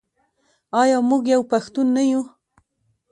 آیا موږ یو پښتون نه یو؟